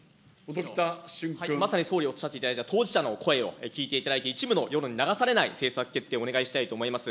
まさに総理、おっしゃっていただいた当事者の声を聞いていただいて、一部の世論に流されない政策決定をお願いしたいと思います。